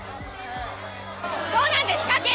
どうなんですか？